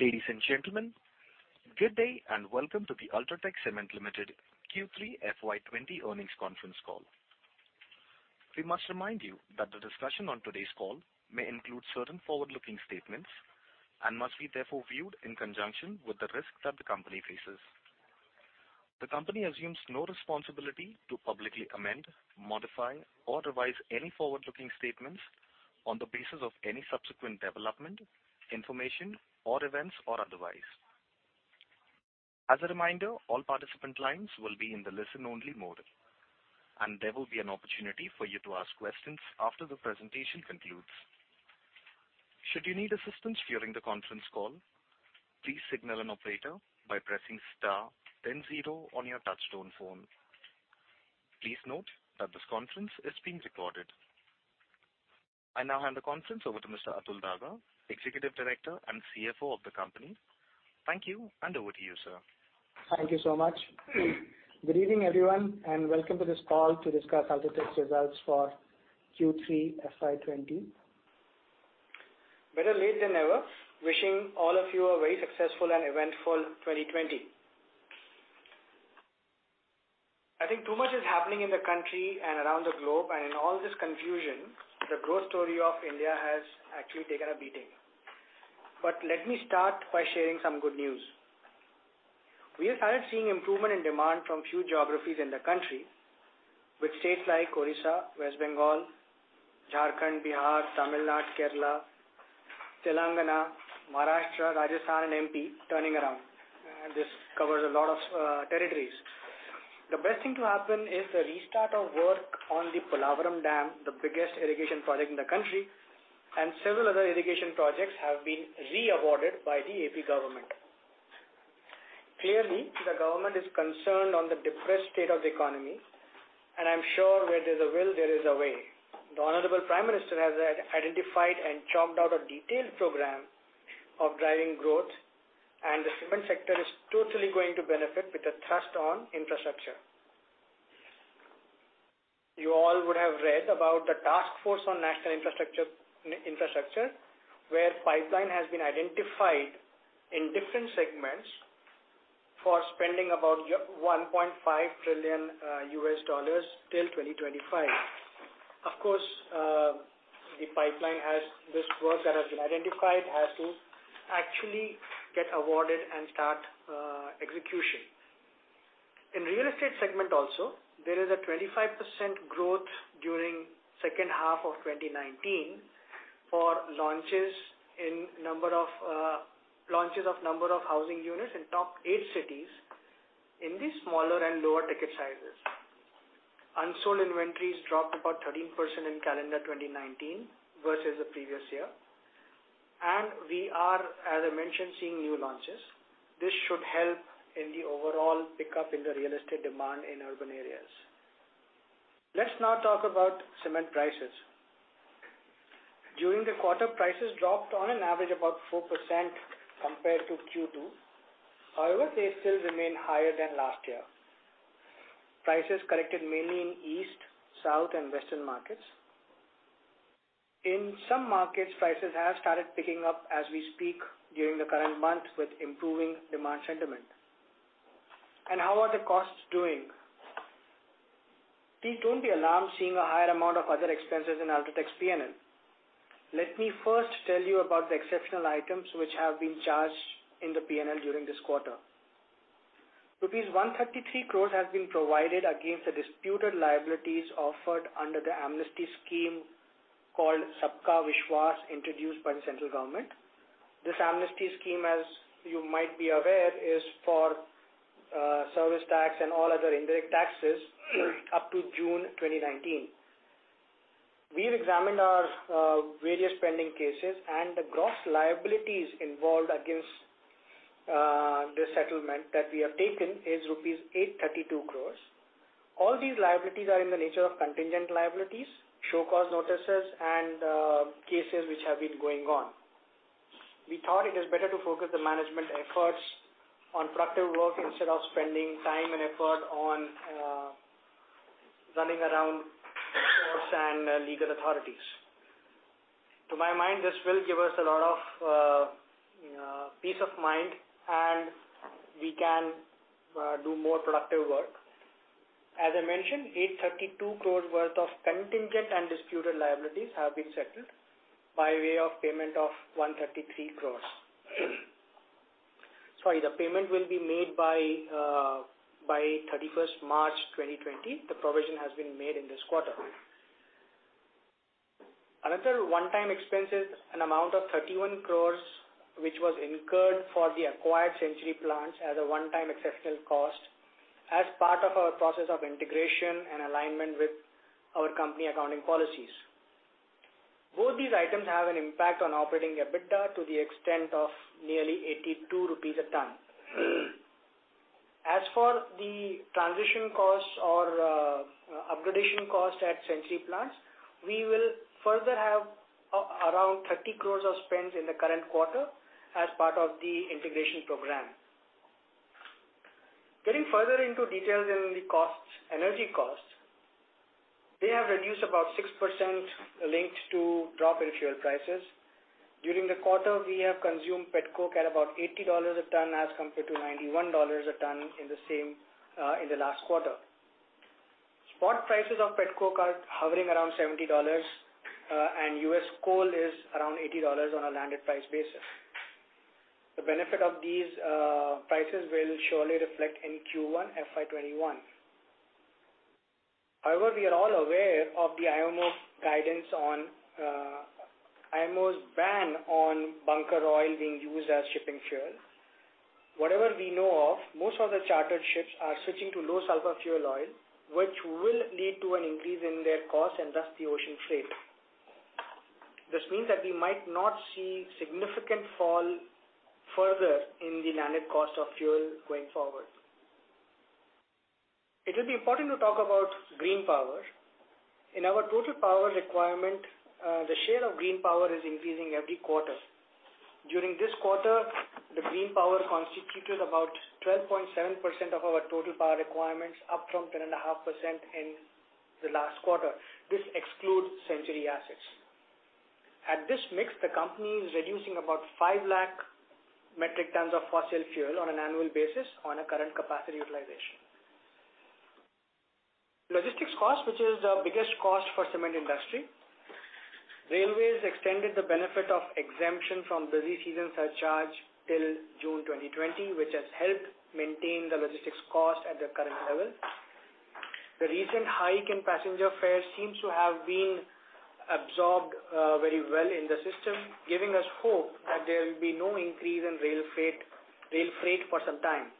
Ladies and gentlemen, good day and welcome to the UltraTech Cement Limited Q3 FY20 Earnings Conference Call. We must remind you that the discussion on today's call may include certain forward-looking statements and must be therefore viewed in conjunction with the risk that the company faces. The company assumes no responsibility to publicly amend, modify or revise any forward-looking statements on the basis of any subsequent development, information, or events or otherwise. As a reminder, all participant lines will be in the listen-only mode. There will be an opportunity for you to ask questions after the presentation concludes. Should you need assistance during the conference call, please signal an operator by pressing star then zero on your touchtone phone. Please note that this conference is being recorded. I now hand the conference over to Mr. Atul Daga, Executive Director and CFO of the company. Thank you, and over to you, sir. Thank you so much. Good evening, everyone, and welcome to this call to discuss UltraTech's Results for Q3 FY20. Better late than never. Wishing all of you a very successful and eventful 2020. I think too much is happening in the country and around the globe. In all this confusion, the growth story of India has actually taken a beating. Let me start by sharing some good news. We have started seeing improvement in demand from few geographies in the country, with states like Odisha, West Bengal, Jharkhand, Bihar, Tamil Nadu, Kerala, Telangana, Maharashtra, Rajasthan and MP turning around. This covers a lot of territories. The best thing to happen is the restart of work on the Polavaram Dam, the biggest irrigation project in the country, and several other irrigation projects have been re-awarded by the AP government. Clearly, the government is concerned on the depressed state of the economy, and I'm sure where there's a will, there is a way. The honorable Prime Minister has identified and chalked out a detailed program of driving growth, and the cement sector is totally going to benefit with a thrust on infrastructure. You all would have read about the task force on National Infrastructure, where pipeline has been identified in different segments for spending about $1.5 trillion till 2025. Of course, the pipeline has this work that has been identified, has to actually get awarded and start execution. In real estate segment also, there is a 25% growth during second half of 2019 for launches of number of housing units in top eight cities in the smaller and lower ticket sizes. Unsold inventories dropped about 13% in calendar 2019 versus the previous year. We are, as I mentioned, seeing new launches. This should help in the overall pickup in the real estate demand in urban areas. Let's now talk about cement prices. During the quarter, prices dropped on an average about 4% compared to Q2. However, they still remain higher than last year. Prices corrected mainly in East, South, and Western markets. In some markets, prices have started picking up as we speak during the current month with improving demand sentiment. How are the costs doing? Please don't be alarmed seeing a higher amount of other expenses in UltraTech's P&L. Let me first tell you about the exceptional items which have been charged in the P&L during this quarter. Rupees 133 crores has been provided against the disputed liabilities offered under the amnesty scheme called Sabka Vishwas, introduced by the central government. This amnesty scheme, as you might be aware, is for service tax and all other indirect taxes up to June 2019. We've examined our various pending cases and the gross liabilities involved against this settlement that we have taken is rupees 832 crores. All these liabilities are in the nature of contingent liabilities, show-cause notices and cases which have been going on. We thought it is better to focus the management efforts on productive work instead of spending time and effort on running around courts and legal authorities. To my mind, this will give us a lot of peace of mind and we can do more productive work. As I mentioned, 832 crores worth of contingent and disputed liabilities have been settled by way of payment of 133 crores. Sorry, the payment will be made by 31st March 2020. The provision has been made in this quarter. Another one-time expense is an amount of 31 crores, which was incurred for the acquired Century plants as a one-time exceptional cost as part of our process of integration and alignment with our company accounting policies. Both these items have an impact on operating EBITDA to the extent of nearly 82 rupees a ton. As for the transition costs or upgradation cost at Century plants, we will further have around 30 crores of spends in the current quarter as part of the integration program. Getting further into details in the energy costs, they have reduced about 6% linked to drop in fuel prices. During the quarter, we have consumed petcoke at about $80 a ton as compared to $91 a ton in the last quarter. Spot prices of petcoke are hovering around 70 dollars, and US coal is around 80 dollars on a landed price basis. The benefit of these prices will surely reflect in Q1 FY 2021. However, we are all aware of the IMO's ban on bunker oil being used as shipping fuel. Whatever we know of, most of the chartered ships are switching to low sulfur fuel oil, which will lead to an increase in their cost and thus the ocean freight. This means that we might not see significant fall further in the landed cost of fuel going forward. It will be important to talk about green power. In our total power requirement, the share of green power is increasing every quarter. During this quarter, the green power constituted about 12.7% of our total power requirements, up from 10.5% in the last quarter. This excludes Century assets. At this mix, the company is reducing about 5 lakh metric tons of fossil fuel on an annual basis on a current capacity utilization. Logistics cost, which is the biggest cost for cement industry. Railways extended the benefit of exemption from busy season surcharge till June 2020, which has helped maintain the logistics cost at the current level. The recent hike in passenger fares seems to have been absorbed very well in the system, giving us hope that there will be no increase in rail freight for some time.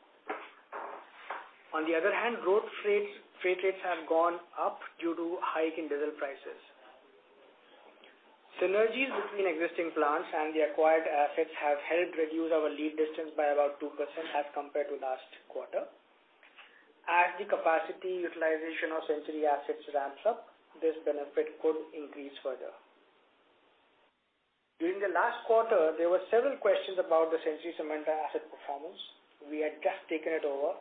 On the other hand, road freight rates have gone up due to hike in diesel prices. Synergies between existing plants and the acquired assets have helped reduce our lead distance by about 2% as compared to last quarter. As the capacity utilization of Century assets ramps up, this benefit could increase further. During the last quarter, there were several questions about the Century Cement asset performance. We had just taken it over.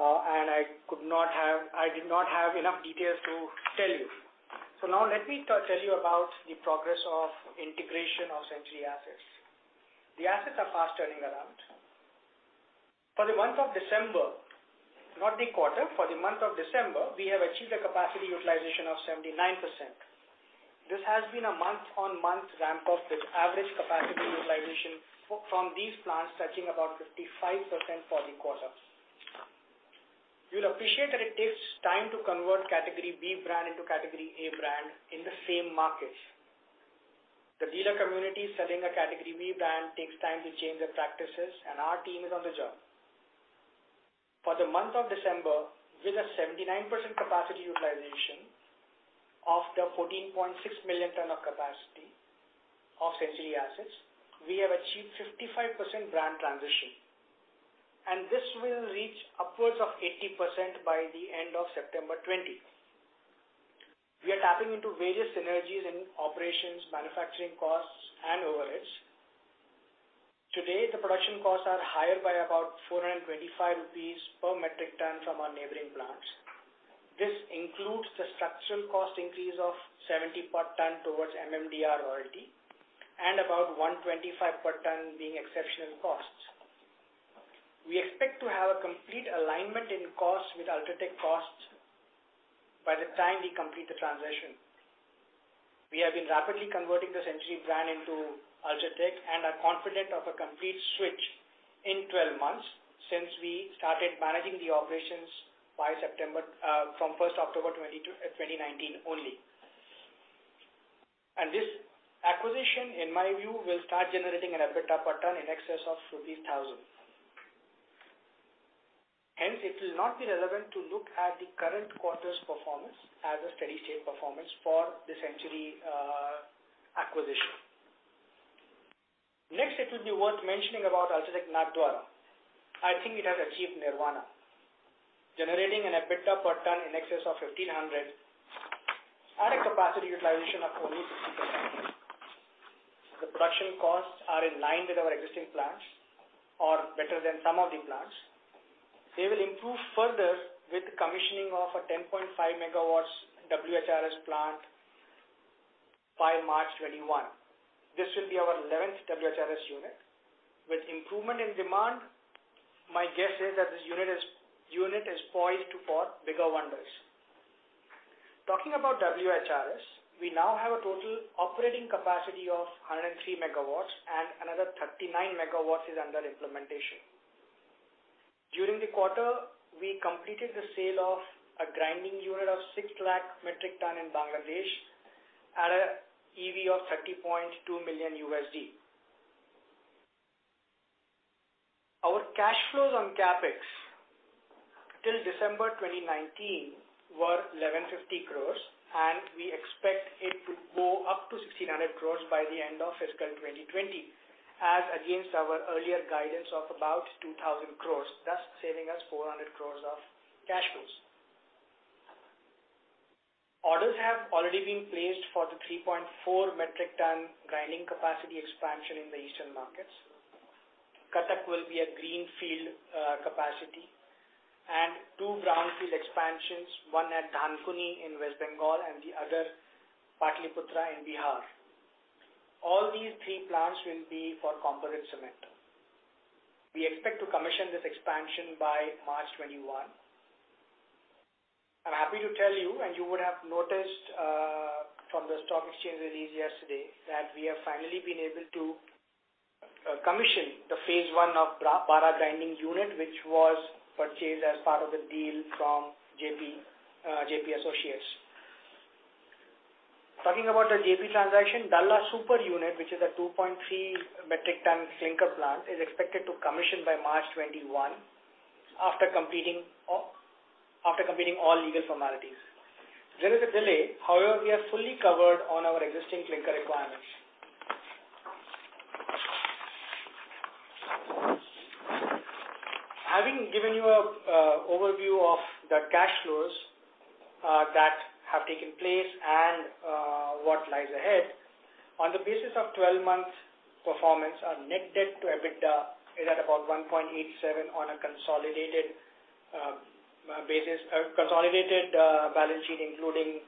I did not have enough details to tell you. Now let me tell you about the progress of integration of Century assets. The assets are fast turning around. For the month of December, not the quarter, for the month of December, we have achieved a capacity utilization of 79%. This has been a month-on-month ramp-up, with average capacity utilization from these plants touching about 55% for the quarter. You'll appreciate that it takes time to convert category B brand into category A brand in the same markets. The dealer community selling a category B brand takes time to change their practices. Our team is on the job. For the month of December, with a 79% capacity utilization of the 14.6 million ton of capacity of Century assets, we have achieved 55% brand transition. This will reach upwards of 80% by the end of September 2020. We are tapping into various synergies in operations, manufacturing costs, and overheads. Today, the production costs are higher by about 425 rupees per metric ton from our neighboring plants. This includes the structural cost increase of 70 per ton towards MMDR royalty and about 125 per ton being exceptional costs. We expect to have a complete alignment in costs with UltraTech costs by the time we complete the transition. We have been rapidly converting the Century brand into UltraTech and are confident of a complete switch in 12 months since we started managing the operations from 1st October 2019 only. This acquisition, in my view, will start generating an EBITDA per ton in excess of INR 1,000. Hence, it will not be relevant to look at the current quarter's performance as a steady state performance for the Century acquisition. It will be worth mentioning about UltraTech Nathdwara. I think it has achieved nirvana, generating an EBITDA per ton in excess of 1,500 at a capacity utilization of only 60%. The production costs are in line with our existing plants or better than some of the plants. They will improve further with commissioning of a 10.5 MW WHRS plant by March 2021. This will be our 11th WHRS unit. With improvement in demand, my guess is that this unit is poised to power bigger wonders. Talking about WHRS, we now have a total operating capacity of 103 MW and another 39 MW is under implementation. During the quarter, we completed the sale of a grinding unit of 6 lakh metric ton in Bangladesh at an EV of $30.2 million. Our cash flows on CapEx till December 2019 were 1,150 crore. We expect it to go up to 1,600 crore by the end of fiscal 2020, as against our earlier guidance of about 2,000 crore, thus saving us 400 crore of cash flows. Orders have already been placed for the 3.4 metric ton grinding capacity expansion in the eastern markets. Cuttack will be a greenfield capacity. Two brownfield expansions, one at Dankuni in West Bengal and the other Pataliputra in Bihar. All these three plants will be for composite cement. We expect to commission this expansion by March 2021. I'm happy to tell you, and you would have noticed from the stock exchange release yesterday, that we have finally been able to commission the phase I of Bara grinding unit, which was purchased as part of the deal from Jaiprakash Associates. Talking about the Jaiprakash transaction, Dalla Super unit, which is a 2.3 metric ton clinker plant, is expected to commission by March 2021 after completing all legal formalities. There is a delay. We are fully covered on our existing clinker requirements. Having given you an overview of the cash flows that have taken place and what lies ahead. On the basis of 12 months performance, our net debt to EBITDA is at about 1.87% on a consolidated balance sheet, including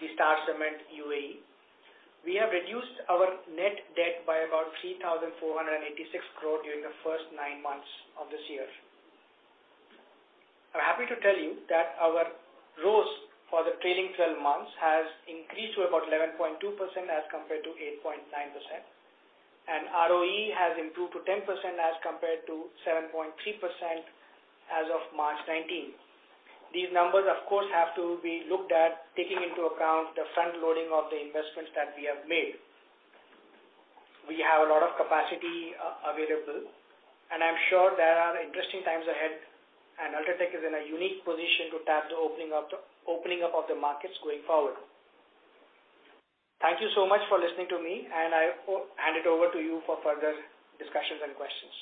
the Star Cement UAE. We have reduced our net debt by about 3,486 crore during the first nine months of this year. I'm happy to tell you that our ROACE for the trailing 12 months has increased to about 11.2% as compared to 8.9%. ROE has improved to 10% as compared to 7.3% as of March 2019. These numbers, of course, have to be looked at taking into account the front-loading of the investments that we have made. We have a lot of capacity available, and I'm sure there are interesting times ahead, and UltraTech is in a unique position to tap the opening up of the markets going forward. Thank you so much for listening to me, and I hand it over to you for further discussions and questions.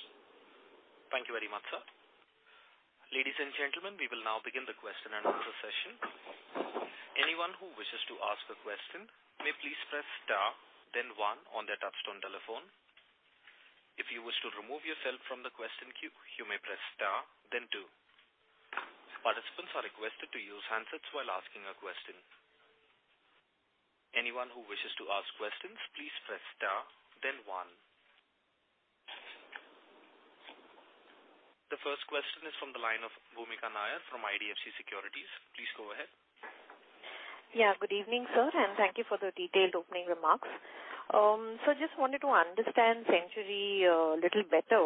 Thank you very much, sir. Ladies and gentlemen, we will now begin the question-and-answer session. Anyone who wishes to ask a question may please press star, then one on their touch-tone telephone. If you wish to remove yourself from the question queue, you may press star, then two. Participants are requested to use handsets while asking a question. Anyone who wishes to ask questions, please press star, then one. The first question is from the line of Bhoomika Nair from IDFC Securities. Please go ahead. Good evening, sir, and thank you for the detailed opening remarks. Just wanted to understand Century a little better.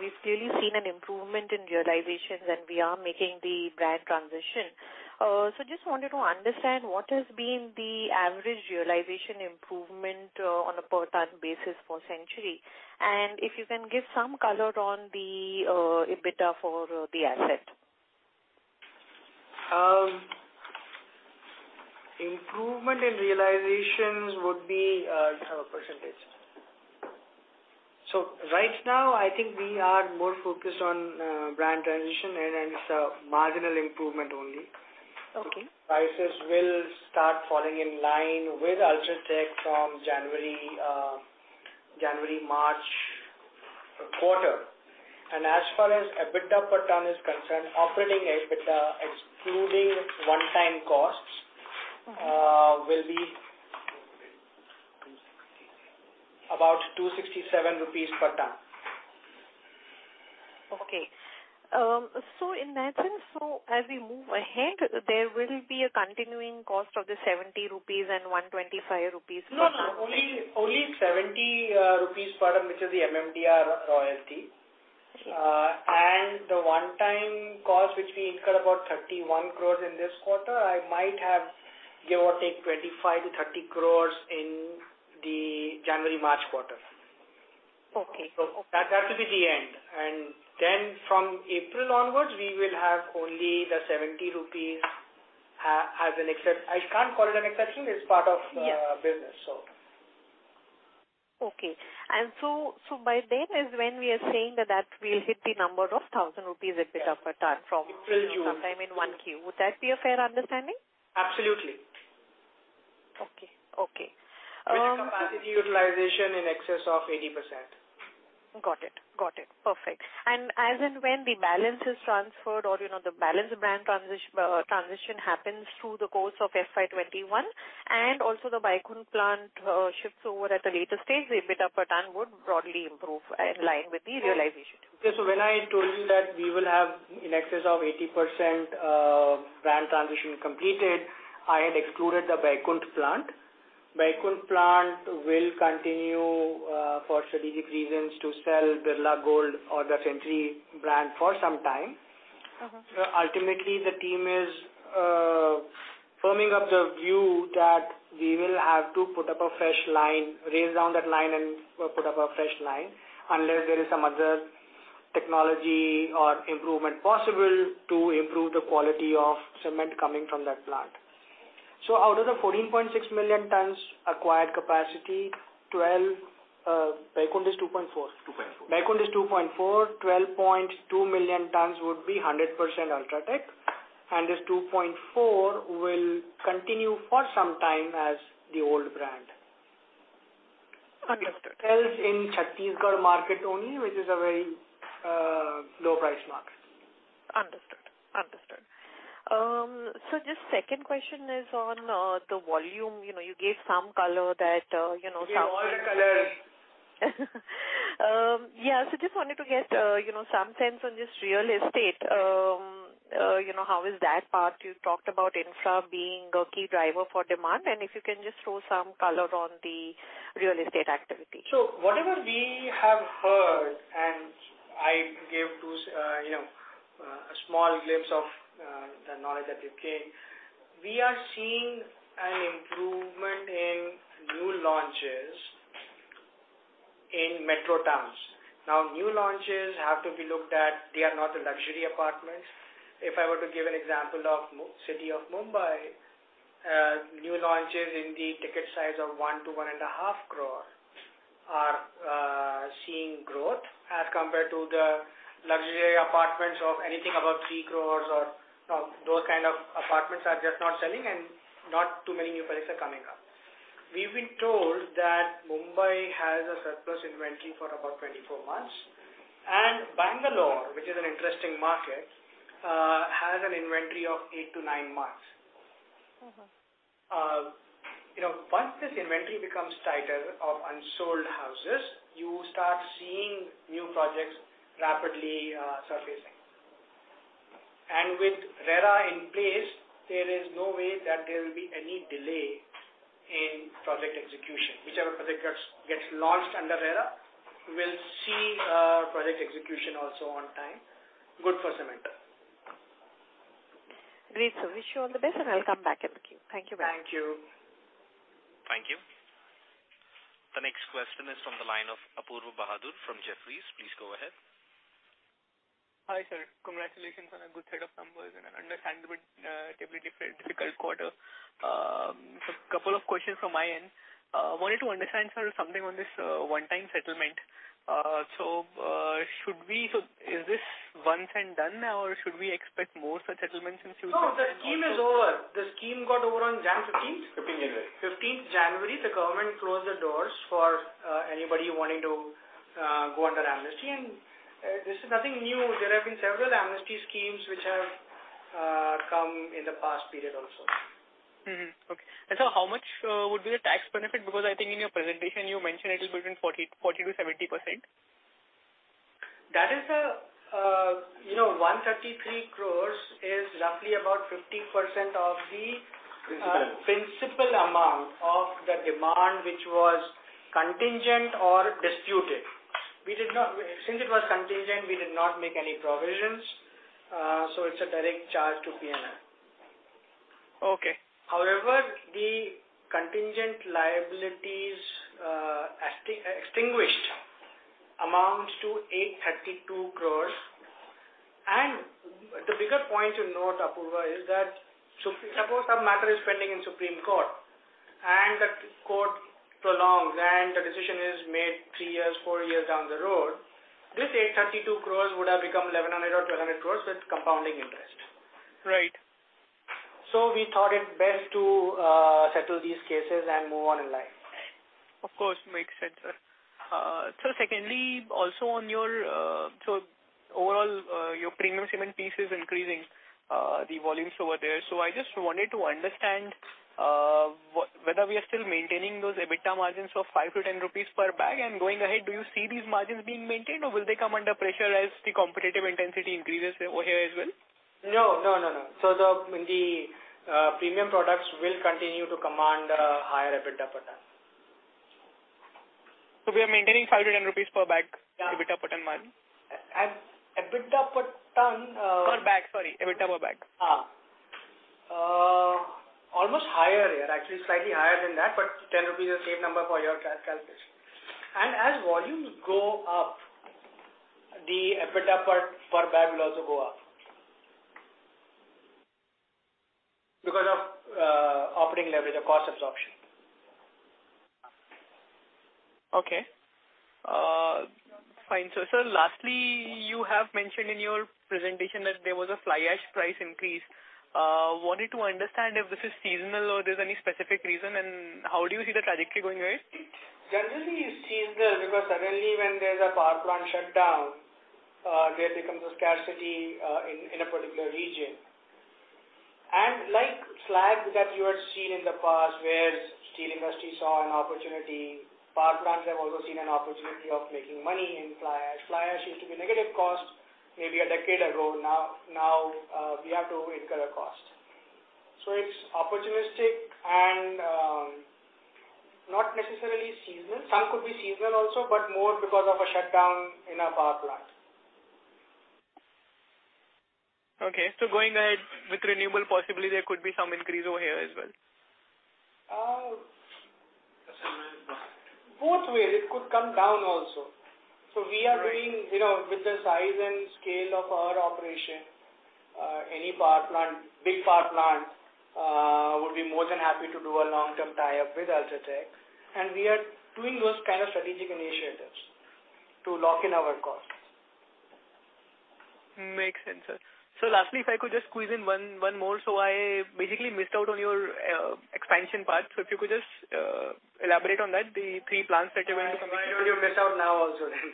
We've clearly seen an improvement in realizations, and we are making the brand transition. Just wanted to understand what has been the average realization improvement on a per ton basis for Century. If you can give some color on the EBITDA for the asset. Improvement in realizations would be a percentage. Right now, I think we are more focused on brand transition, and it's a marginal improvement only. Prices will start falling in line with UltraTech from January-March quarter. As far as EBITDA per ton is concerned, operating EBITDA excluding one-time costs will be about 267 rupees per ton. Okay. In that sense, as we move ahead, there will be a continuing cost of the 70 rupees and 125 rupees. No, no. Only 70 rupees per ton, which is the MMDR royalty. The one-time cost, which we incurred about 31 crores in this quarter, I might have give or take 25 crores-30 crores in the January-March quarter. That will be the end. From April onwards, we will have only the 70 rupees as an I can't call it an exception business, so. Okay. By then is when we are saying that will hit the number of 1,000 rupees EBITDA per ton from, it will sometime in one Q, would that be a fair understanding? Absolutely. With capacity utilization in excess of 80%. Got it. Perfect. As and when the balance is transferred or the balance brand transition happens through the course of FY 2021, and also the Baikunth plant shifts over at a later stage, the EBITDA per ton would broadly improve in line with the realization. Yes. When I told you that we will have in excess of 80% brand transition completed, I had excluded the Baikunth plant. Baikunth plant will continue, for strategic reasons, to sell Birla Gold or the Century brand for some time. Ultimately, the team is firming up the view that we will have to raise down that line and put up a fresh line unless there is some other technology or improvement possible to improve the quality of cement coming from that plant. Out of the 14.6 million tons acquired capacity, Baikunth is 2.4. Baikunth is 2.4. 12.2 million tons would be 100% UltraTech, this 2.4 will continue for some time as the old brand. Sells in Chhattisgarh market only, which is a very low price market. Understood. Just second question is on the volume. You gave some color. We gave all the color. Yeah. Just wanted to get some sense on just real estate. How is that part? You talked about infra being a key driver for demand, and if you can just throw some color on the real estate activity. Whatever we have heard, and I gave a small glimpse of the knowledge that we've gained. We are seeing an improvement in new launches in metro towns. Now, new launches have to be looked at. They are not a luxury apartment. If I were to give an example of city of Mumbai, new launches in the ticket size of 1 crore-1.5 crore are seeing growth as compared to the luxury apartments of anything above 3 crore or those kind of apartments are just not selling and not too many new projects are coming up. We've been told that Mumbai has a surplus inventory for about 24 months. And Bangalore, which is an interesting market, has an inventory of eight to nine months. Once this inventory becomes tighter of unsold houses, you start seeing new projects rapidly surfacing. With RERA in place, there is no way that there will be any delay in project execution. Whichever project gets launched under RERA, we'll see project execution also on time. Good for cement. Great, sir. Wish you all the best, and I'll come back in the queue. Thank you very much. Thank you. Thank you. The next question is from the line of Apoorva Bahadur from Jefferies. Please go ahead. Hi, sir. Congratulations on a good set of numbers and an understandably difficult quarter. Just couple of questions from my end. Wanted to understand, sir, something on this one-time settlement. Is this one time done now, or should we expect more such settlements in future? No, the scheme is over. The scheme got over on January 15th. 15th January. The government closed the doors for anybody wanting to go under amnesty. This is nothing new. There have been several amnesty schemes which have come in the past period also. Mm-hmm. Okay. How much would be the tax benefit? Because I think in your presentation you mentioned it is between 40% to 70%? 133 crores is roughly about 50% of the principal amount of the demand, which was contingent or disputed. Since it was contingent, we did not make any provisions, so it's a direct charge to P&L. However, the contingent liabilities extinguished amounts to 832 crores. The bigger point to note, Apoorva, is that suppose some matter is pending in Supreme Court, and the court prolongs, and the decision is made three years, four years down the road, this 832 crores would have become 1,100 or 1,200 crores with compounding interest. Right. We thought it best to settle these cases and move on in life. Of course. Makes sense, sir. Secondly, overall, your premium cement piece is increasing the volumes over there. I just wanted to understand whether we are still maintaining those EBITDA margins of 5 to 10 rupees per bag. Going ahead, do you see these margins being maintained, or will they come under pressure as the competitive intensity increases over here as well? No. The premium products will continue to command a higher EBITDA per ton. We are maintaining 5-10 rupees per bag EBITDA per ton margin. Per bag. Sorry, EBITDA per bag. Almost higher. Actually, slightly higher than that, but 10 rupees is a safe number for your calculation. As volumes go up, the EBITDA per bag will also go up because of operating leverage or cost absorption. Okay. Fine. Sir, lastly, you have mentioned in your presentation that there was a fly ash price increase. I wanted to understand if this is seasonal or there's any specific reason, and how do you see the trajectory going ahead? Generally, it's seasonal because suddenly when there's a power plant shutdown, there becomes a scarcity in a particular region. Like slag that you had seen in the past, where steel industry saw an opportunity, power plants have also seen an opportunity of making money in fly ash. Fly ash used to be negative cost maybe a decade ago. Now we have to incur a cost. It's opportunistic and not necessarily seasonal. Some could be seasonal also, but more because of a shutdown in a power plant. Okay. Going ahead with renewable, possibly there could be some increase over here as well. Both ways. It could come down also. We are doing with the size and scale of our operation, any big power plant would be more than happy to do a long-term tie-up with UltraTech, and we are doing those kind of strategic initiatives to lock in our costs. Makes sense, sir. Lastly, if I could just squeeze in one more. I basically missed out on your expansion part. If you could just elaborate on that, the three plants that you're going to be commissioning. Why don't you miss out now also then?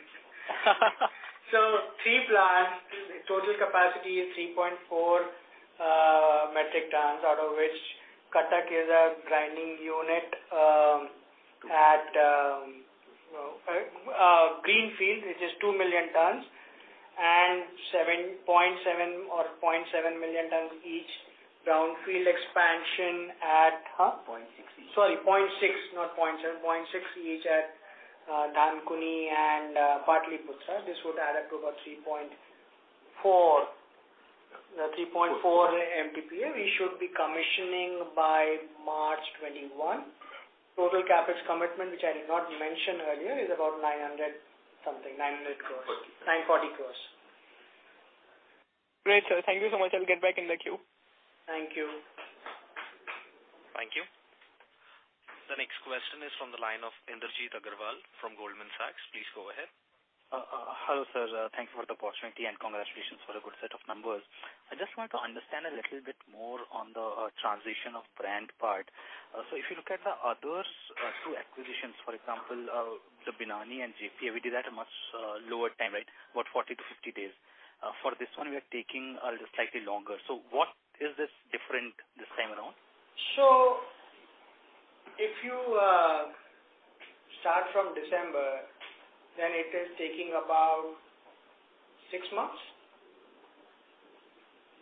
Three plants, total capacity is 3.4 metric tons, out of which Cuttack is our grinding unit at greenfield, which is 2 million tons and 0.7 million tons each brownfield expansion. Sorry, 0.6, not 0.7, 0.6 each at Dankuni and Pataliputra. This would add up to about 3.4 MTPA. We should be commissioning by March 2021. Total capital commitment, which I did not mention earlier, is about 900 something, 900 crores. 940 crores. Great, sir. Thank you so much. I'll get back in the queue. Thank you. Thank you. The next question is from the line of Indrajit Agarwal from Goldman Sachs. Please go ahead. Hello, sir. Thanks for the opportunity and congratulations for a good set of numbers. I just want to understand a little bit more on the transition of brand part. If you look at the others, two acquisitions, for example, the Binani and JP, we did at a much lower time, right? About 40-50 days. For this one, we are taking a little slightly longer. What is this different this time around? If you start from December, then it is taking about six months.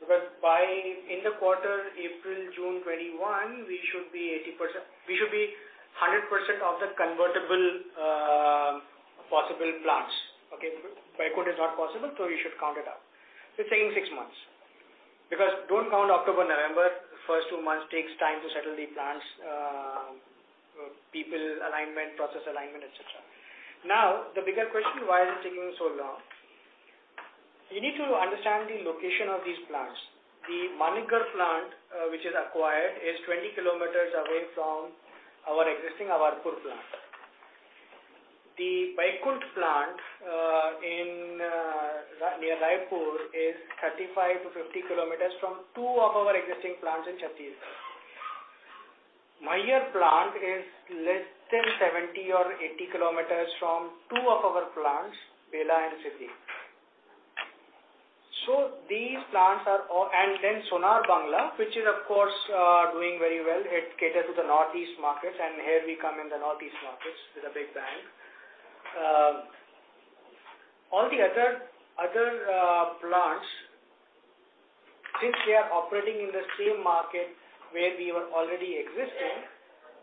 In the quarter April, June 2021, we should be 100% of the convertible possible plants. Baikunth is not possible, we should count it out. It's saying six months. Don't count October, November. First two months takes time to settle the plants, people alignment, process alignment, et cetera. The bigger question, why is it taking so long? You need to understand the location of these plants. The Manikgarh plant, which is acquired, is 20 km away from our existing Awarpur plant. The Baikunth plant near Raipur is 35 km -50 km from two of our existing plants in Chhattisgarh. Maihar plant is less than 70 or 80 km from two of our plants, Bela and Siddhi. Sonar Bangla, which is of course doing very well. It caters to the Northeast markets. Here we come in the Northeast markets with a big bang. All the other plants, since they are operating in the same market where we were already existing,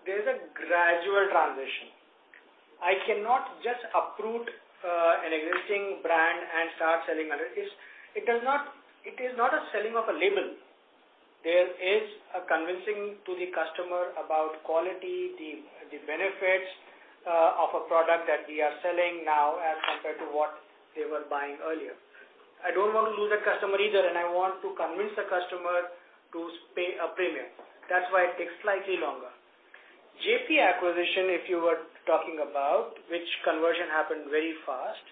there is a gradual transition. I cannot just uproot an existing brand and start selling another. It is not a selling of a label. There is a convincing to the customer about quality, the benefits of a product that we are selling now as compared to what they were buying earlier. I don't want to lose that customer either. I want to convince the customer to pay a premium. That's why it takes slightly longer. JP acquisition, if you were talking about, which conversion happened very fast.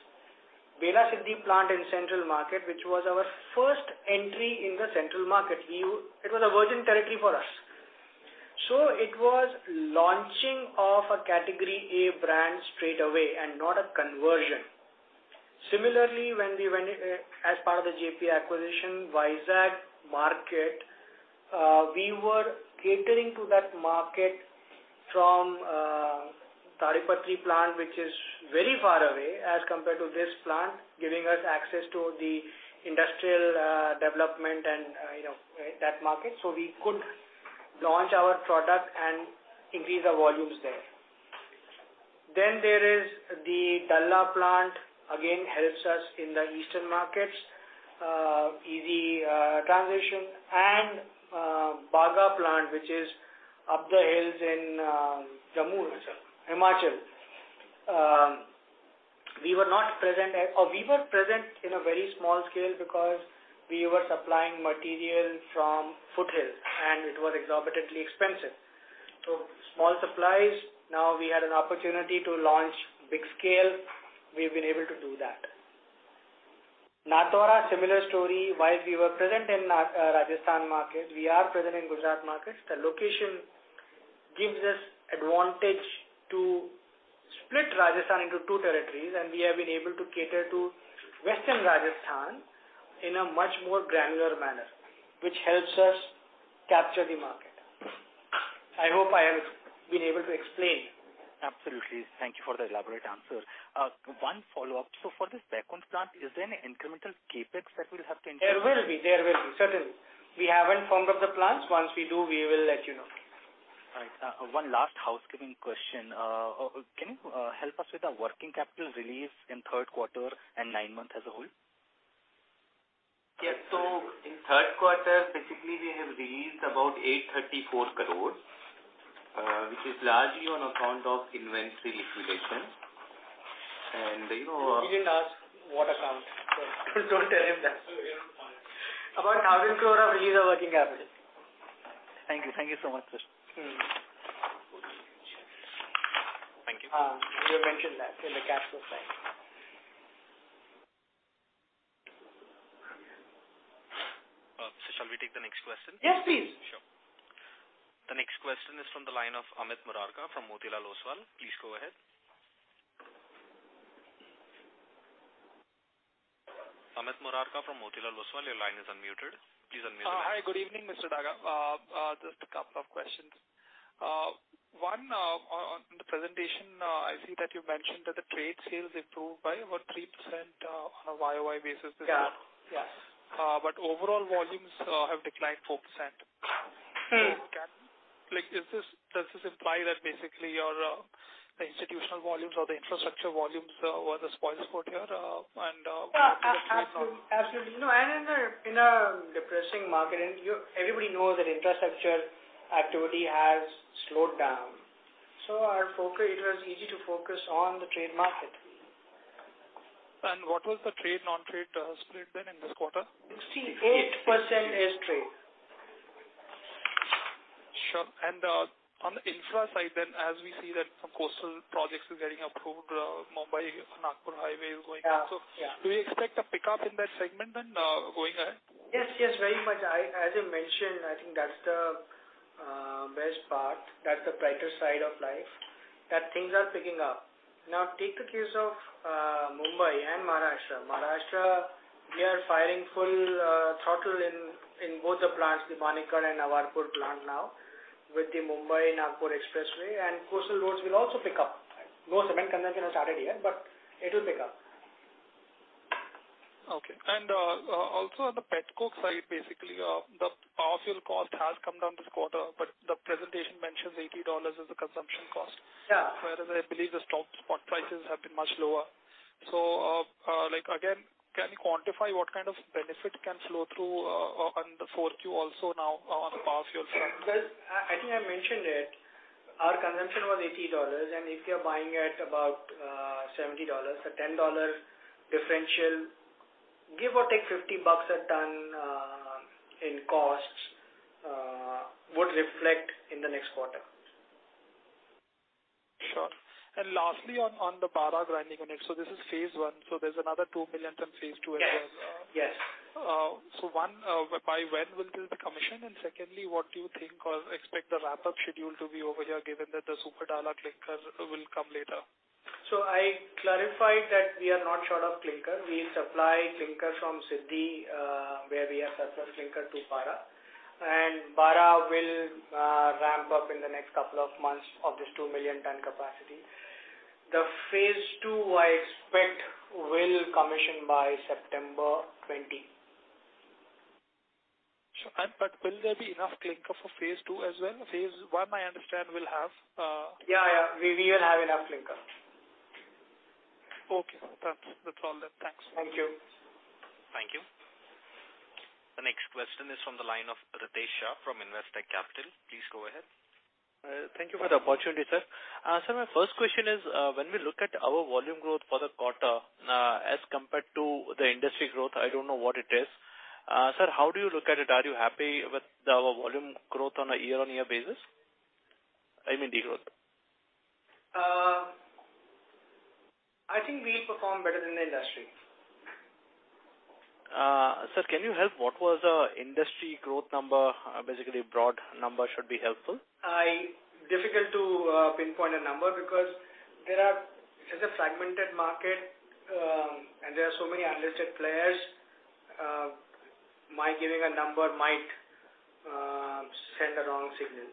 Bela Siddhi plant in Central market, which was our first entry in the Central market. It was a virgin territory for us. It was launching of a category A brand straight away and not a conversion. As part of the JP acquisition, Vizag market, we were catering to that market from Tadipatri plant, which is very far away as compared to this plant, giving us access to the industrial development and that market. We could launch our product and increase the volumes there. There is the Dalla plant, again, helps us in the eastern markets. Easy transition. Baga plant, which is up the hills in Jammu itself, Himachal. We were present in a very small scale because we were supplying material from foothill, and it was exorbitantly expensive. Small supplies. Now we had an opportunity to launch big scale. We've been able to do that. Nathdwara, similar story. While we were present in Rajasthan markets, we are present in Gujarat markets. The location gives us advantage to split Rajasthan into two territories, and we have been able to cater to western Rajasthan in a much more granular manner, which helps us capture the market. I hope I have been able to explain. Absolutely. Thank you for the elaborate answer. One follow-up. For this second plant, is there any incremental CapEx that we'll have to incur? There will be. Certainly. We haven't firmed up the plans. Once we do, we will let you know. All right. One last housekeeping question. Can you help us with the working capital release in third quarter and nine month as a whole? Yes. In third quarter, basically, we have released about 834 crores, which is largely on account of inventory liquidation. He didn't ask what account. Don't tell him that. About 1,000 crore of release of working capital. Thank you. Thank you so much, sir. Mentioned that in the capital spend. Shall we take the next question? Yes, please. Sure. The next question is from the line of Amit Murarka from Motilal Oswal. Please go ahead. Amit Murarka from Motilal Oswal, your line is unmuted. Please unmute. Hi, good evening, Mr. Daga. Just a couple of questions. One, on the presentation, I see that you mentioned that the trade sales improved by about 3% on a year-over-year basis this year. Overall volumes have declined 4%. Does this imply that basically your institutional volumes or the infrastructure volumes were the spoilsport here? Absolutely. In a depressing market, everybody knows that infrastructure activity has slowed down. It was easy to focus on the trade market. What was the trade non-trade split then in this quarter? 68% is trade. Sure. On the infra side, as we see that some coastal projects is getting approved, Mumbai and Nagpur highway is going on. Do you expect a pickup in that segment then going ahead? Yes, very much. As you mentioned, I think that's the best part. That's the brighter side of life, that things are picking up. Take the case of Mumbai and Maharashtra. Maharashtra, we are firing full throttle in both the plants, the Panipat and Navapur plant now with the Mumbai-Nagpur Expressway and coastal roads will also pick up. No cement consumption has started yet, but it will pick up. Okay. Also on the petcoke side, basically, the fossil cost has come down this quarter, but the presentation mentions $80 as the consumption cost. Yes. Whereas I believe the stock spot prices have been much lower. Again, can you quantify what kind of benefit can flow through on the 4Q also now on the pet coke side? Well, I think I mentioned it. Our consumption was INR 80, and if you're buying at about INR 70, the INR 10 differential, give or take INR 50 a ton in costs would reflect in the next quarter. Sure. Lastly, on the Bara grinding unit. This is phase I, there's another 2 million ton phase II as well. One, by when will this be commissioned? Secondly, what do you think or expect the ramp-up schedule to be over here, given that the Dalla Super clinker will come later? I clarified that we are not short of clinker. We supply clinker from Siddhi, where we have surplus clinker to Bara. Bara will ramp up in the next couple of months of this 2 million ton capacity. The phase II, I expect, will commission by September 2020. Sure. Will there be enough clinker for phase II as well? phase I understand. Yes. We will have enough clinker. Okay. That's all then. Thanks. Thank you. Thank you. The next question is from the line of Ritesh Shah from Investec Capital. Please go ahead. Thank you for the opportunity, sir. Sir, my first question is, when we look at our volume growth for the quarter as compared to the industry growth, I don't know what it is. Sir, how do you look at it? Are you happy with our volume growth on a year-on-year basis? I mean, de-growth. I think we performed better than the industry. Sir, can you help? What was the industry growth number? Basically, broad number should be helpful. Difficult to pinpoint a number because it is a fragmented market, and there are so many unlisted players. My giving a number might send the wrong signal.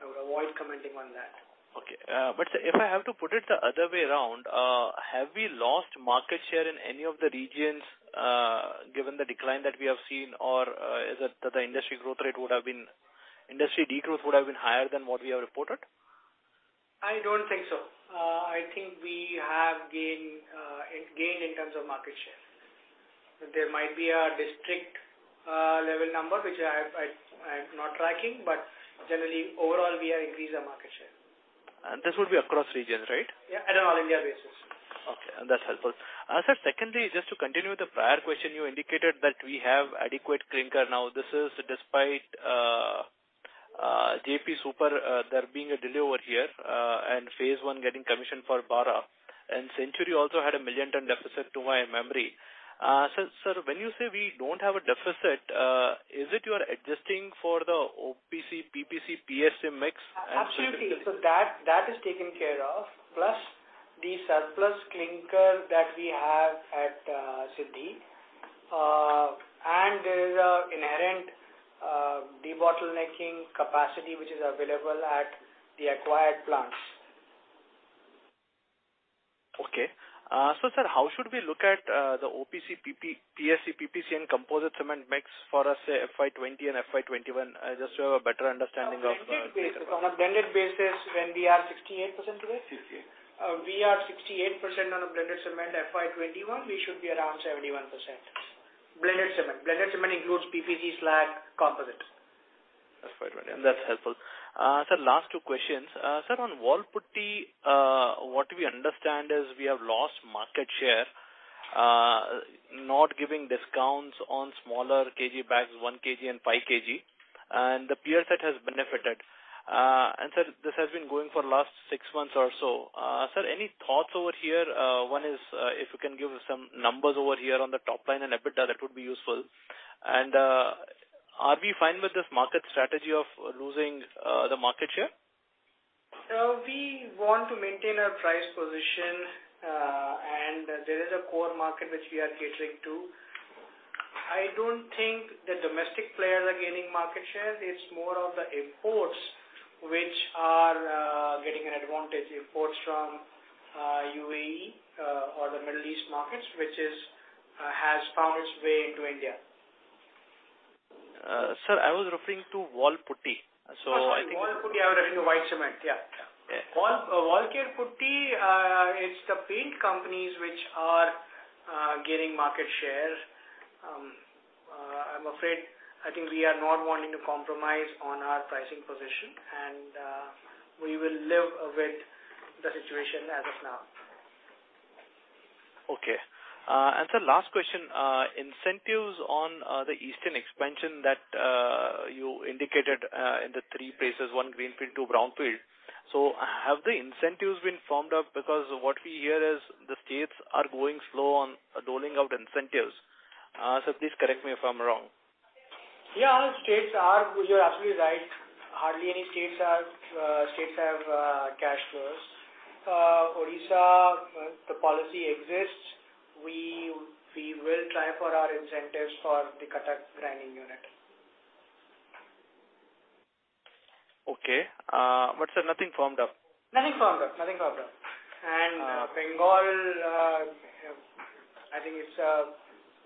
I would avoid commenting on that. Okay. Sir, if I have to put it the other way around, have we lost market share in any of the regions, given the decline that we have seen? Is it that the industry de-growth would have been higher than what we have reported? I don't think so. I think we have gained in terms of market share. There might be a district level number, which I'm not tracking. Generally, overall, we have increased our market share. This would be across regions, right? Yes, at an all-India basis. Okay. That's helpful. Sir, secondly, just to continue with the prior question, you indicated that we have adequate clinker now. This is despite JP Super there being a delay over here, and phase I getting commissioned for Bara. Century also had a million ton deficit, to my memory. Sir, when you say we don't have a deficit, is it you are adjusting for the OPC, PPC, PSC mix? Absolutely. That is taken care of, plus the surplus clinker that we have at Siddhi. There is an inherent debottlenecking capacity which is available at the acquired plants. Okay. Sir, how should we look at the OPC, PSC, PPC in composite cement mix for a, say, FY 2020 and FY 2021, just to have a better understanding of the. On a blended basis, when we are 68% today? We are 68% on a blended cement FY21. We should be around 71%. Blended cement. Blended cement includes PPC, slag, composite. FY20. That's helpful. Sir, last two questions. Sir, on wall putty, what we understand is we have lost market share. Not giving discounts on smaller kg bags, one kg and five kg. The peer set has benefited. Sir, this has been going for the last six months or so. Sir, any thoughts over here? One is, if you can give us some numbers over here on the top line and EBITDA, that would be useful. Are we fine with this market strategy of losing the market share? We want to maintain our price position, and there is a core market which we are catering to. I don't think the domestic players are gaining market share. It's more of the imports which are getting an advantage. Imports from UAE or the Middle East markets, which has found its way into India. Sir, I was referring to wall putty. Wall putty, I was referring to white cement. Yeah. WallCare Putty, it's the paint companies which are gaining market share. I'm afraid, I think we are not wanting to compromise on our pricing position. We will live with the situation as of now. Okay. Sir, last question. Incentives on the eastern expansion that you indicated in the three places, one greenfield, two brownfield. Have the incentives been formed up? What we hear is the states are going slow on doling out incentives. Sir, please correct me if I'm wrong. Yeah, you're absolutely right. Hardly any states have cash flows. Odisha, the policy exists. We will try for our incentives for the Cuttack grinding unit. Okay. Sir, nothing firmed up. Nothing firmed up. Bengal, I think it's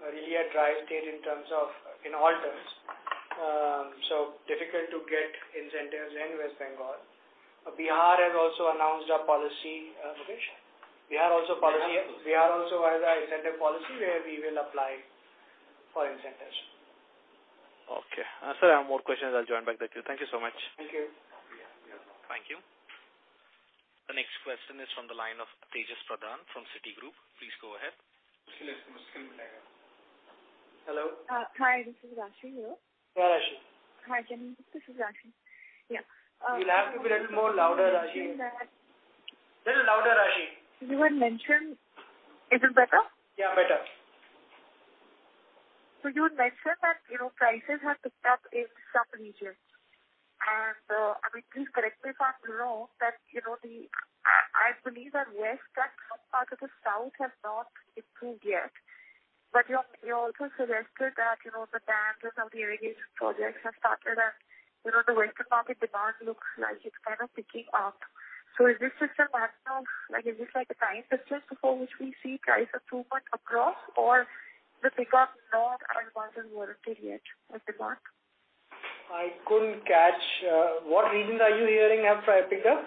really a dry state in all terms. Difficult to get incentives in West Bengal. Bihar has also announced a policy. Mukesh? Bihar also policy? Bihar also has an incentive policy where we will apply for incentives. Okay. Sir, I have more questions. I'll join back with you. Thank you so much. Thank you. Thank you. The next question is from the line of Tejas Pradhan from Citigroup. Please go ahead. Hello. Hi, this is Raashi here. Hi, Raashi. Hi, gentlemen. This is Raashi. Yeah. You'll have to be a little more louder, Raashi. Little louder, Raashi. You had mentioned. Is this better? Yeah, better. You had mentioned that prices have picked up in some regions. I mean, please correct me if I'm wrong, I believe that west and some part of the south has not improved yet. You also suggested that the dams and some of the irrigation projects have started up. The western market demand looks like it's kind of picking up. Is this just a matter of, like is this a time purchase before which we see price improvement across or the pickup not advanced in world period of demand? I couldn't catch. What regions are you hearing have price pickup?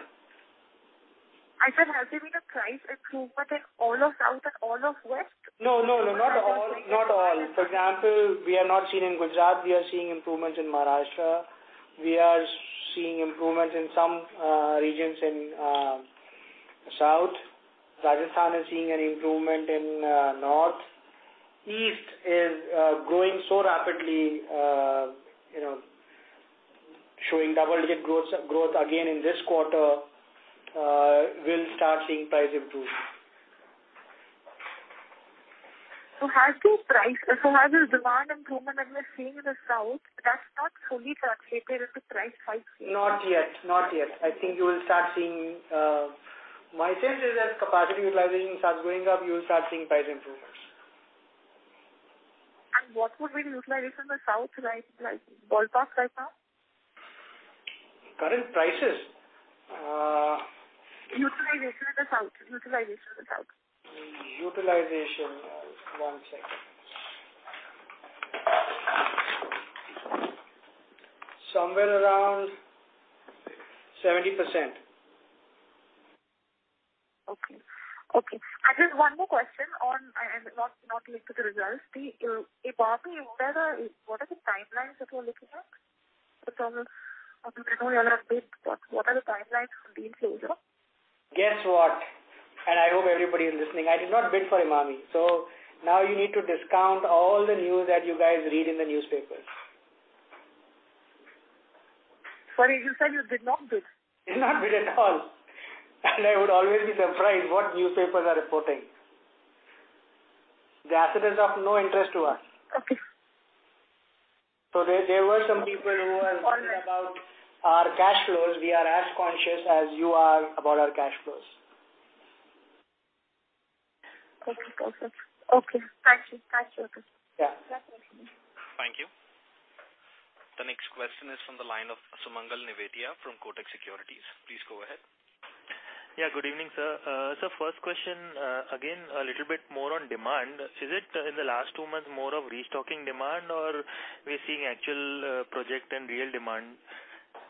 I said, has there been a price improvement in all of south and all of west? No, not all. For example, we are not seeing in Gujarat. We are seeing improvements in Maharashtra. We are seeing improvements in some regions in South. Rajasthan is seeing an improvement in North. East is growing so rapidly, showing double-digit growth again in this quarter. We'll start seeing price improve. Has this demand improvement that we're seeing in the South, that's not fully translated into price hikes? Not yet. My sense is as capacity utilization starts going up, you'll start seeing price improvements. What would be the utilization in the south, like ballpark right now? Current prices? Utilization in the south. Utilization. One second. Somewhere around 70%. Okay. Just one more question, and not linked to the results. The Emami, what are the timelines that you're looking at? I know you all have bid, what are the timelines for the closure? Guess what? I hope everybody is listening. I did not bid for Emami. Now you need to discount all the news that you guys read in the newspapers. Sorry, you said you did not bid. Did not bid at all. I would always be surprised what newspapers are reporting. The asset is of no interest to us. Okay. There were some people who were worried about our cash flows. We are as conscious as you are about our cash flows. Okay. Got it. Okay. Thank you. Yeah. Thank you. The next question is from the line of Sumangal Nevatia from Kotak Securities. Please go ahead. Yeah, good evening, sir. Sir, first question, again, a little bit more on demand. Is it in the last two months more of restocking demand or we're seeing actual project and real demand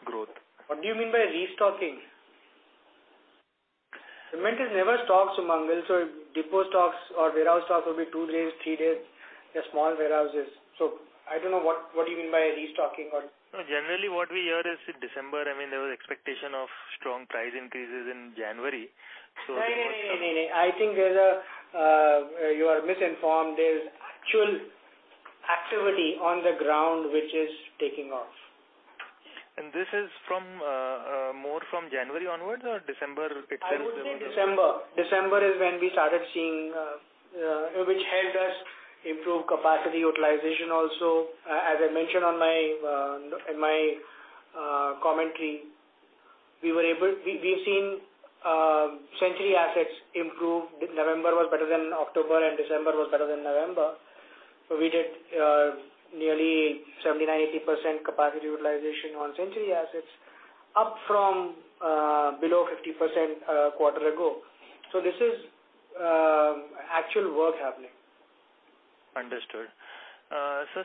growth? What do you mean by restocking? Cement is never stocked, Sumangal, depot stocks or warehouse stocks will be two days, three days. They are small warehouses. I don't know what you mean by restocking. No, generally what we hear is in December, there was expectation of strong price increases in January. No. I think you are misinformed. There's actual activity on the ground which is taking off. This is more from January onwards or December? I would say December. December is when we started seeing, which helped us improve capacity utilization also. As I mentioned in my commentary, we've seen Century assets improve. November was better than October. December was better than November. We did nearly 79%, 80% capacity utilization on Century assets, up from below 50% a quarter ago. This is actual work happening. Understood.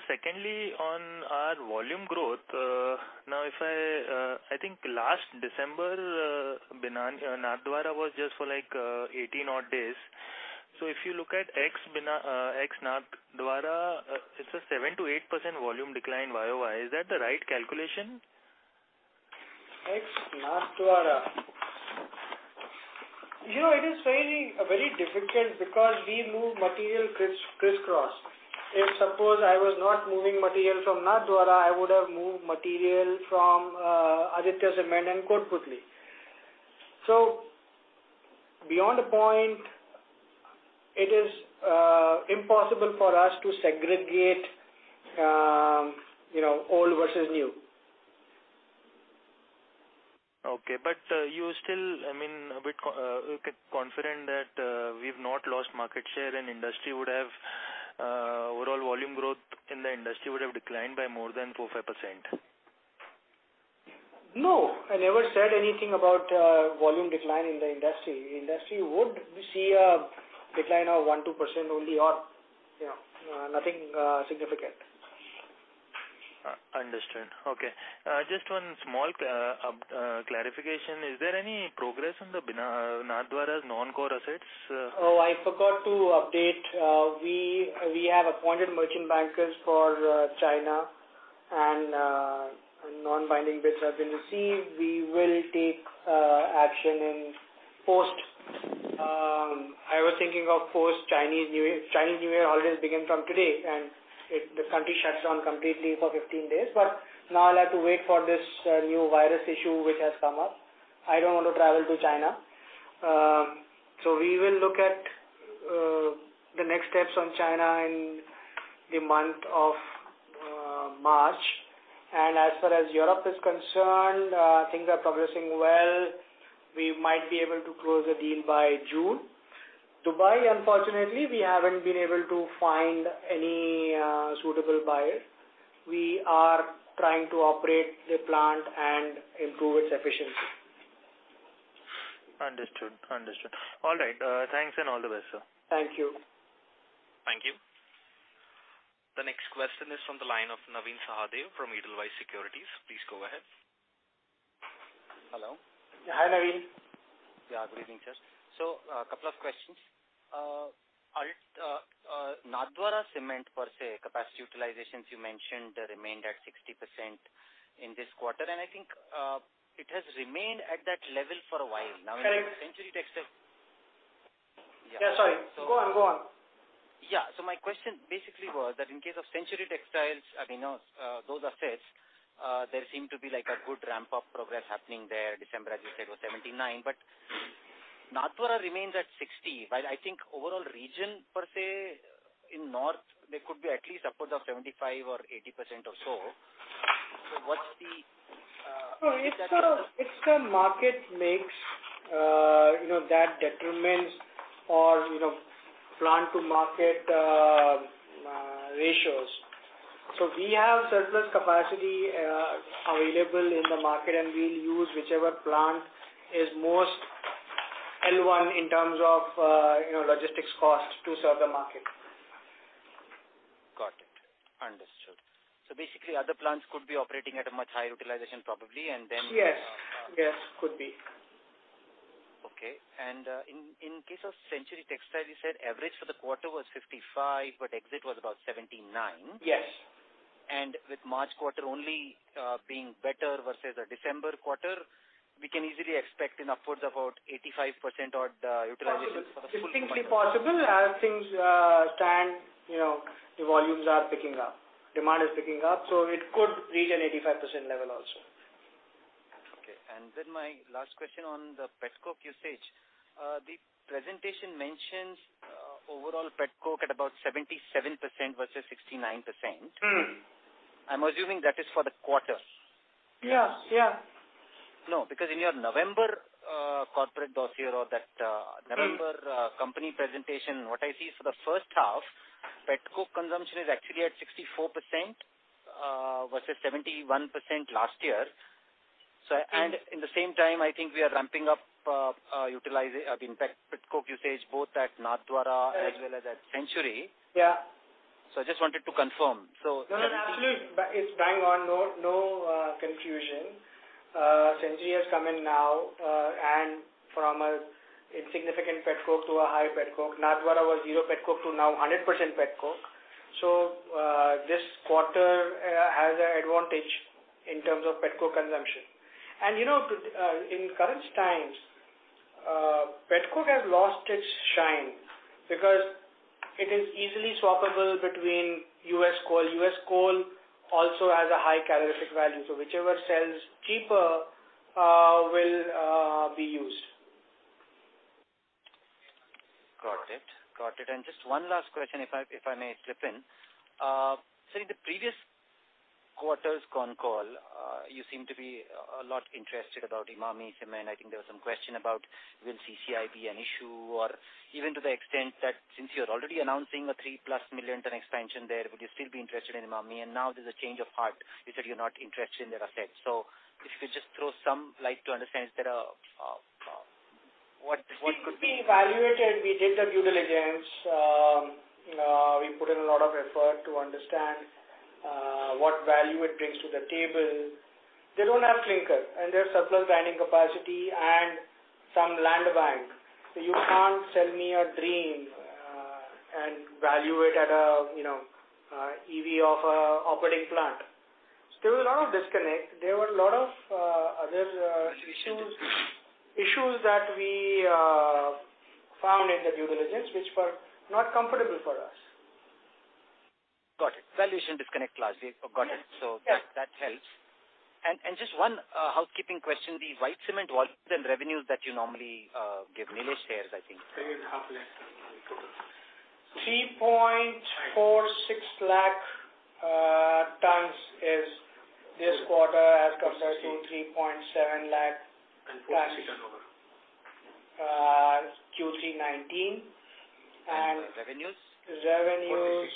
Secondly, on our volume growth, I think last December, Nathdwara was just for 18 odd days. If you look at ex-Nathdwara, it's a 7%-8% volume decline YOY. Is that the right calculation? Ex-Nathdwara. It is very difficult because we move material crisscross. If suppose I was not moving material from Nathdwara, I would have moved material from Aditya Cement and Kotputli. Beyond a point, it is impossible for us to segregate old versus new. Okay. You still, I mean, a bit confident that we've not lost market share and overall volume growth in the industry would have declined by more than 4%, 5%? No, I never said anything about volume decline in the industry. Industry would see a decline of 1%, 2% only or nothing significant. Understood. Okay. Just one small clarification. Is there any progress on the Nathdwara's non-core assets? I forgot to update. We have appointed merchant bankers for China and non-binding bids have been received. We will take action in post. I was thinking of post-Chinese New Year, Chinese New Year holidays begin from today, and the country shuts down completely for 15 days. Now I'll have to wait for this new virus issue which has come up. I don't want to travel to China. We will look at the next steps on China in the month of March. As far as Europe is concerned, things are progressing well. We might be able to close the deal by June. Dubai, unfortunately, we haven't been able to find any suitable buyer. We are trying to operate the plant and improve its efficiency. Understood. All right. Thanks and all the best, sir. Thank you. Thank you. The next question is from the line of Navin Sahadeo from Edelweiss Securities. Please go ahead. Hello. Hi, Navin. Good evening, sir. A couple of questions. Nathdwara Cement per se capacity utilizations, you mentioned remained at 60% in this quarter, I think it has remained at that level for a while now. Yeah, sorry. Go on. Yeah. My question basically was that in case of Century Textiles, those assets there seem to be like a good ramp-up progress happening there. December, as you said, was 79%, Nathdwara remains at 60%, while I think overall region per se in north, there could be at least upwards of 75% or 80% or so. No, it's the market mix that determines our plant to market ratios. We have surplus capacity available in the market, and we'll use whichever plant is most L1 in terms of logistics cost to serve the market. Got it. Understood. Basically, other plants could be operating at a much higher utilization probably. Yes. Could be. Okay. In case of Century Textiles, you said average for the quarter was 55%, but exit was about 79%. Yes. With March quarter only being better versus a December quarter, we can easily expect an upwards about 85% odd utilization for the full? Distinctly possible. As things stand, the volumes are picking up. Demand is picking up, so it could reach an 85% level also. Okay. My last question on the petcoke usage. The presentation mentions overall petcoke at about 77% versus 69%. I'm assuming that is for the quarter. Yeah. In your November corporate dossier or that November company presentation, what I see is for the first half, pet coke consumption is actually at 64% versus 71% last year. In the same time, I think we are ramping up pet coke usage both at Nathdwara as well as at Century. I just wanted to confirm. No, absolutely. It's bang on. No confusion. Century has come in now, from an insignificant petcoke to a high petcoke. Nathdwara was zero petcoke to now 100% petcoke. This quarter has an advantage in terms of petcoke consumption. In current times, petcoke has lost its shine because it is easily swappable between U.S. coal. U.S. coal also has a high calorific value. Whichever sells cheaper will be used. Got it. Just one last question, if I may slip in. Sir, in the previous quarter's con call, you seemed to be a lot interested about Emami Cement. I think there was some question about will CCI be an issue or even to the extent that since you're already announcing a 3 million+ ton expansion there, would you still be interested in Emami? Now there's a change of heart. You said you're not interested in their assets. If you could just throw some light to understand what could be. We evaluated, we did the due diligence, we put in a lot of effort to understand what value it brings to the table. They don't have clinker, and there's surplus mining capacity and some land bank. You can't sell me a dream and value it at EV of a operating plant. There was a lot of disconnect. There were a lot of other issues that we found in the due diligence, which were not comfortable for us. Got it. Valuation disconnect last year. Got it. That helps. Just one housekeeping question. The white cement volumes and revenues that you normally give. Nilesh shares, I think. 3.46 lakh tons is this quarter as compared to 3.7 lakh last Q3 2019. Revenues? Revenues.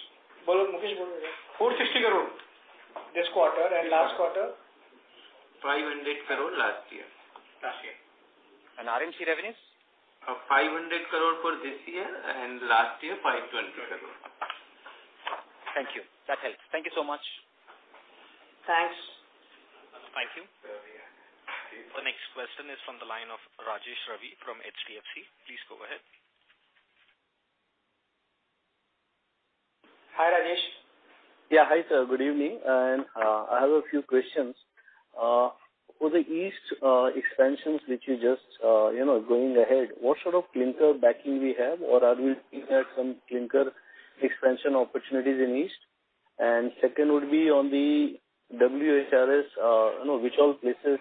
This quarter and last quarter? INR 500 crore last year. Last year. RMC revenues? INR 500 crore for this year and last year, INR 520 crore. Thank you. That helps. Thank you so much. Thanks. Thank you. The next question is from the line of Rajesh Ravi from HDFC. Please go ahead. Hi, Rajesh. Yeah. Hi, sir. Good evening. I have a few questions. For the East expansions, which you just going ahead, what sort of clinker backing we have? Or are we looking at some clinker expansion opportunities in East? Second would be on the WHRS, which all places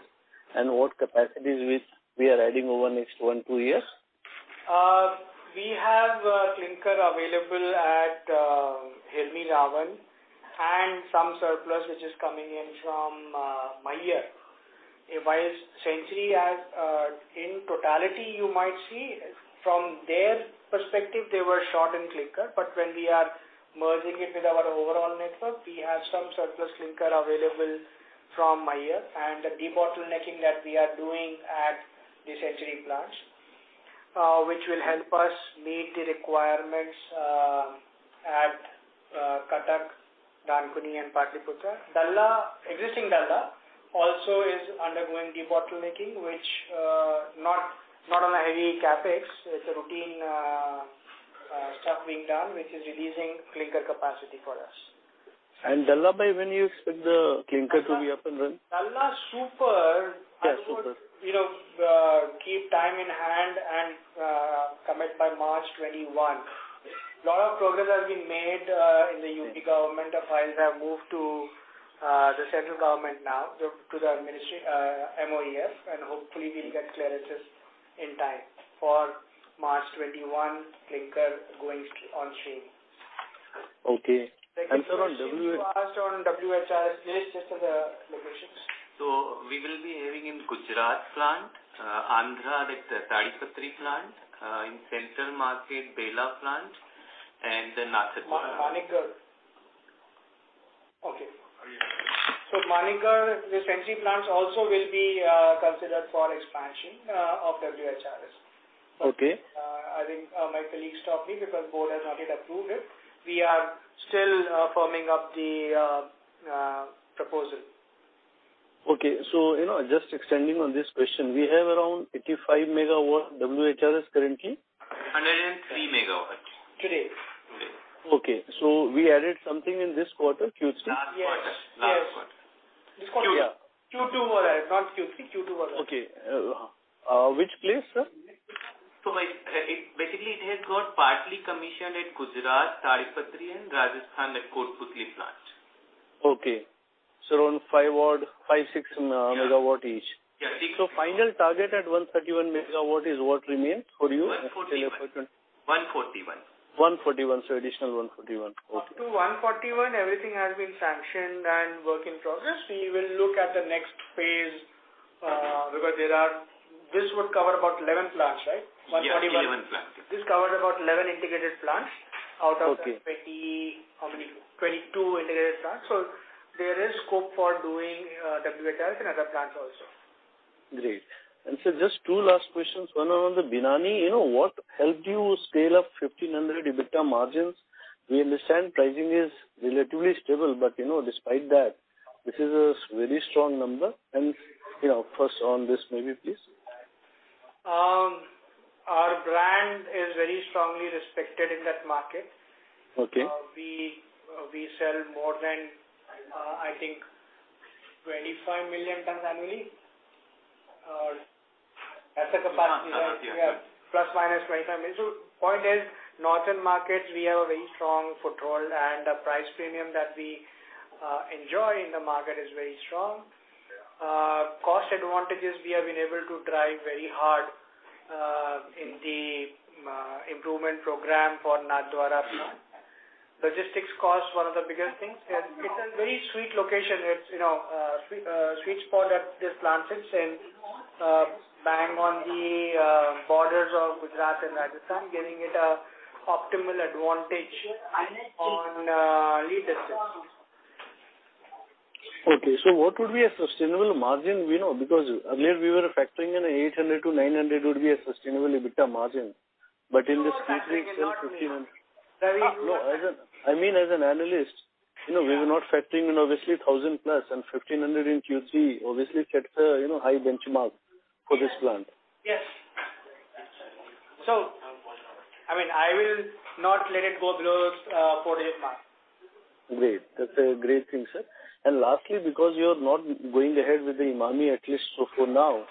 and what capacities which we are adding over next one, two years? We have clinker available at Hirmi and some surplus which is coming in from Maihar. Century as in totality, you might see from their perspective, they were short in clinker, but when we are merging it with our overall network, we have some surplus clinker available from Maihar. The debottlenecking that we are doing at the Century plants which will help us meet the requirements at Cuttack, Dankuni and Pataliputra. Existing Dalla also is undergoing debottlenecking, which not on a heavy CapEx. It's a routine stuff being done, which is releasing clinker capacity for us. Daga, bhai, when you expect the clinker to be up and running? Dalla Super. I would keep time in hand and commit by March 2021. Lot of progress has been made in the UP government. The files have moved to the central government now to the MOEF, and hopefully we'll get clearances in time for March 2021, clinker going on stream. Nilesh, you asked on WHRS. Nilesh, just tell the locations. We will be having in Gujarat plant, Andhra at Tadipatri plant, in central market, Baga plant, and then Nashik. Malanker. Okay. Malanker, the Century plants also will be considered for expansion of WHRS. I think my colleague stopped me because board has not yet approved it. We are still firming up the proposal. Okay. Just extending on this question. We have around 85 MW WHRS currently? 103 MW. Today. Okay. We added something in this quarter, Q3? Last quarter. This quarter. Q2 were added, not Q3. Q2 were added. Okay. Which place, sir? Basically it has got partly commissioned at Gujarat, Tadipatri, and Rajasthan at Kotputli plant. Okay. Around five, six MW each. Yeah. Final target at 131 MW is what remains for you? 141. Additional 141. Okay. Up to 141, everything has been sanctioned and work in progress. We will look at the next phase because this would cover about 11 plants, right? Yes, 11 plants. This covered about 11 integrated plants out of 22 integrated plants. There is scope for doing WHRS in other plants also. Great. Sir, just two last questions. One on the Binani. What helped you scale up 1,500% EBITDA margins? We understand pricing is relatively stable, but despite that, this is a very strong number. First on this maybe, please. Our brand is very strongly respected in that market. Okay. We sell more than, I think, 25 million tons annually. As a capacity, ±25 million. Point is, northern markets, we have a very strong foothold, and the price premium that we enjoy in the market is very strong. Cost advantages, we have been able to drive very hard in the improvement program for Nathdwara plant. Logistics cost, one of the biggest things. It's a very sweet location. Sweet spot that this plant sits in. Bang on the borders of Gujarat and Rajasthan, giving it a optimal advantage on lead distance. Okay, what would be a sustainable margin? Earlier we were factoring in 800-900 would be a sustainable EBITDA margin. In this Q3 it sold 1,500. No, I mean, as an analyst, we were not factoring in obviously 1,000+ and 1,500 in Q3 obviously sets a high benchmark for this plant. Yes. I will not let it go below four digit mark. Great. That's a great thing, sir. Lastly, because you're not going ahead with the Emami at least for now,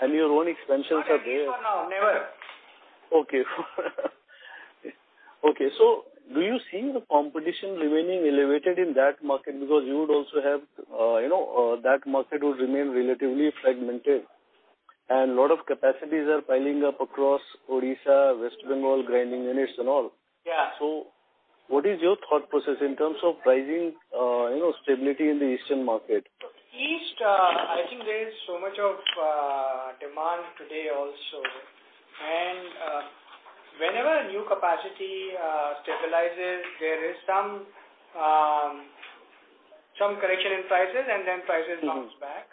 and your own expansions are there. Not at least for now, never. Okay. Okay. Do you see the competition remaining elevated in that market? That market would remain relatively fragmented, and lot of capacities are piling up across Odisha, West Bengal, grinding units and all. Yeah. What is your thought process in terms of pricing stability in the eastern market? East, I think there is so much of demand today also. Whenever a new capacity stabilizes, there is some correction in prices, and then prices bounce back.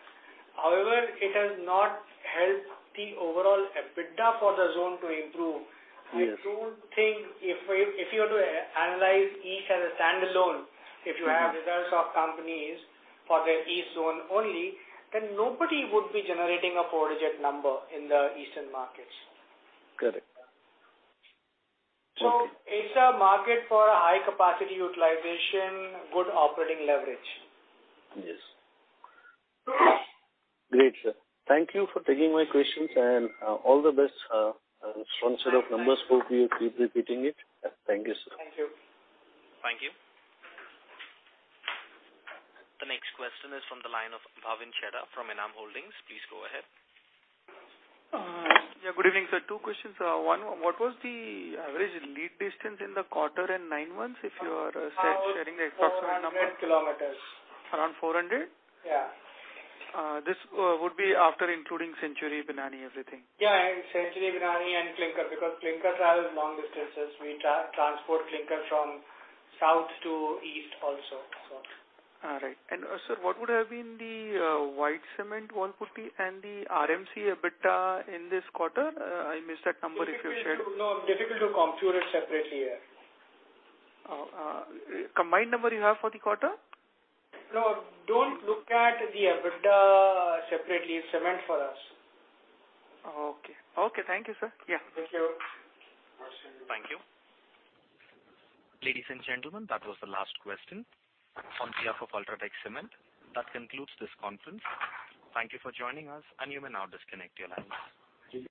However, it has not helped the overall EBITDA for the zone to improve. Yes. I don't think if you were to analyze east as a standalone, if you have results of companies for the east zone only, then nobody would be generating a four-digit number in the eastern markets. Correct. It's a market for high capacity utilization, good operating leverage. Yes. Great, sir. Thank you for taking my questions, and all the best. A strong set of numbers for you. Keep repeating it. Thank you, sir. Thank you. Thank you. The next question is from the line of Bhavin Sheth from Enam Holdings. Please go ahead. Yeah, good evening, sir. Two questions. One, what was the average lead distance in the quarter and nine months, if you are sharing the approximate number? Around 400 km. Around 400? This would be after including Century, Binani, everything. Yeah, Century, Binani and clinker, because clinker travels long distances. We transport clinker from south to east also. All right. Sir, what would have been the white cement, INR 150, and the RMC EBITDA in this quarter? I missed that number if you shared. No, difficult to compute it separately. Combined number you have for the quarter? No, don't look at the EBITDA separately. It's cement for us. Okay. Thank you, sir. Yeah. Thank you. Thank you. Ladies and gentlemen, that was the last question. On behalf of UltraTech Cement, that concludes this conference. Thank you for joining us, and you may now disconnect your lines.